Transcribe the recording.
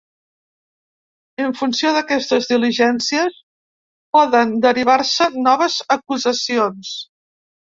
En funció d’aquestes diligències, poden derivar-se noves acusacions.